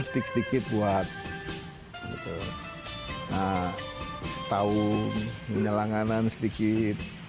tik sedikit buat setahun punya langanan sedikit